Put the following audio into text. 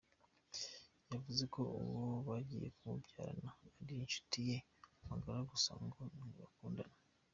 Yavuze ko uwo bagiye kumubyarana ari inshuti ye magara gusa ngo ntibakundana.